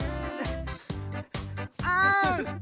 あん！